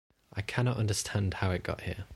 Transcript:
I cannot understand how it got here.